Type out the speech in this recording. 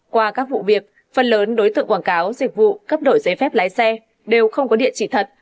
qua các vụ việc phần lớn đối tượng quảng cáo dịch vụ cấp đổi giấy phép lái xe đều không có địa chỉ thật